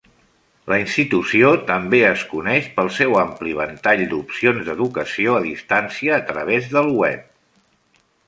La institució també es coneix pel seu ampli ventall d'opcions d'educació a distància a través del web.